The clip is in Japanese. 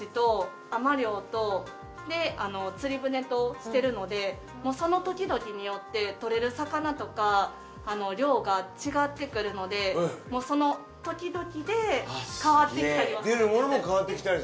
してるのでもうその時々によってとれる魚とか量が違ってくるのでもうその時々で変わってきたりはするんです。